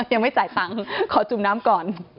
ยังไม่จ่ายตังค์ขอจุ่มน้ำก่อน